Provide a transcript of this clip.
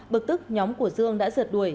bực tức nhóm của dương đã rượt đuổi